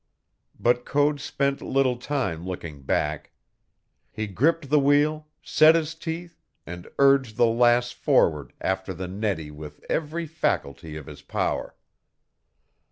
But Code spent little time looking back. He gripped the wheel, set his teeth, and urged the Lass forward after the Nettie with every faculty of his power.